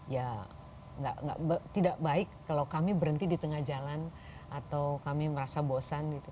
ya tidak baik kalau kami berhenti di tengah jalan atau kami merasa bosan gitu